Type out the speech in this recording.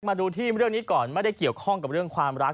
มาดูที่เรื่องนี้ก่อนไม่ได้เกี่ยวข้องกับเรื่องความรัก